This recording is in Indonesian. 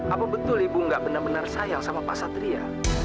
apa betul ibu nggak benar benar sayang sama pak satria